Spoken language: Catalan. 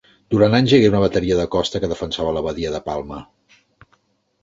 Durant anys hi hagué una bateria de costa que defensava la badia de Palma.